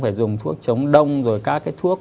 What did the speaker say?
phải dùng thuốc chống đông rồi các cái thuốc